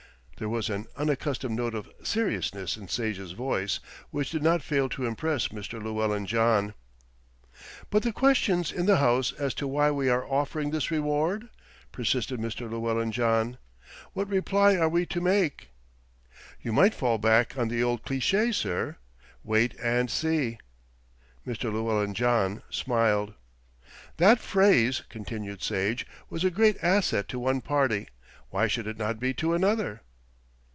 There was an unaccustomed note of seriousness in Sage's voice, which did not fail to impress Mr. Llewellyn John. "But the questions in the House as to why we are offering this reward?" persisted Mr. Llewellyn John. "What reply are we to make?" "You might fall back on the old cliché, sir: 'Wait and see.'" Mr. Llewellyn John smiled. "That phrase," continued Sage, "was a great asset to one party, why should it not be to another?"